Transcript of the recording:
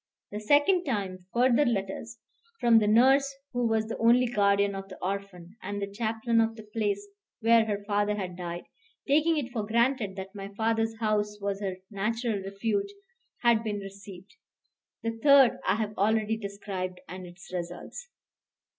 The second time, further letters from the nurse who was the only guardian of the orphan, and the chaplain of the place where her father had died, taking it for granted that my father's house was her natural refuge had been received. The third I have already described, and its results.